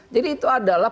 jadi itu adalah